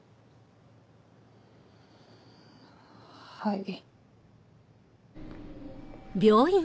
はい。